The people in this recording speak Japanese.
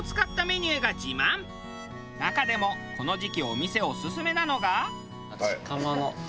中でもこの時期お店オススメなのが。